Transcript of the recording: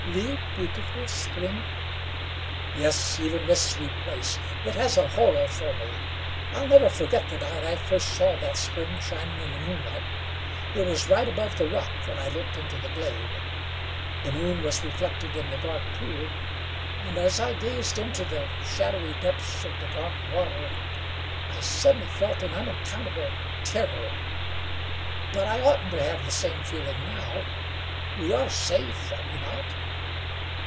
"Leave Beautiful Spring?" "Yes, even this sweet place. It has a horror for me. I'll never forget the night I first saw that spring shining in the moonlight. It was right above the rock that I looked into the glade. The moon was reflected in the dark pool, and as I gazed into the shadowy depths of the dark water I suddenly felt an unaccountable terror; but I oughtn't to have the same feeling now. We are safe, are we not?"